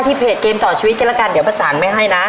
เพจเกมต่อชีวิตกันแล้วกันเดี๋ยวประสานไม่ให้นะ